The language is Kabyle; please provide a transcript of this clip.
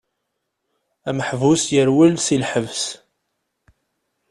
Ameḥbus yerwel si lḥebs.